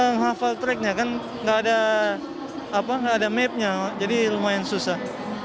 nghafal tracknya kan nggak ada mapnya jadi lumayan susah